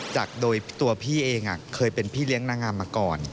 โดยตัวพี่เองเคยเป็นพี่เลี้ยงนางงามมาก่อน